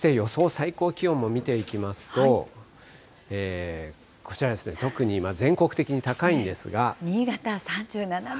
最高気温も見ていきますと、こちらですね、新潟３７度。